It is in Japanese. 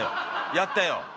やったよ。